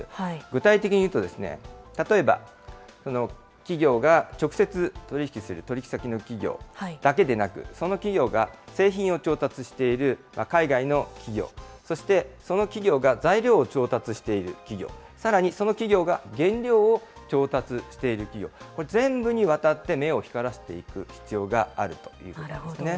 具体的に言うと例えば、企業が直接取り引きする取引先の企業だけでなく、その企業が製品を調達している海外の企業、そして、その企業が材料を調達している企業、さらにその企業が原料を調達している企業、これ全部にわたって目を光らせていく必要があるということなんですね。